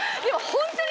ホントに？